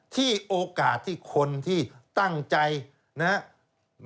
ที่โอกาสที่คนที่ตั้งใจนะครับ